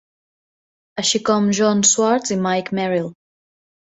Així com John Schwartz i Mike Merrill.